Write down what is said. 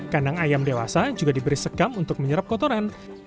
kandang ayam dewasa juga diberi sekam untuk menyerap kotoran